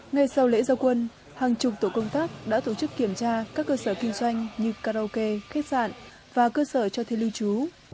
ngay sau lễ giao quân hàng chục tổ công tác đã tổ chức kiểm tra các cơ sở kinh doanh như karaoke khách sạn và cơ sở cho thuê lưu trú